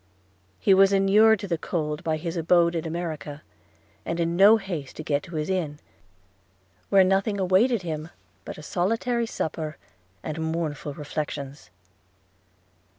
He was enured to the cold by his abode in America; and in no haste to get to his inn, where nothing awaited him but a solitary supper and mournful reflections.